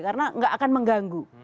karena nggak akan mengganggu